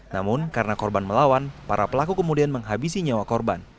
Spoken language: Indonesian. namun karena korban melawan para pelaku kemudian menghabisi nyawa korban